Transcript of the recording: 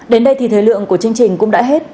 đến đây thì thời lượng của chương trình cũng đã hết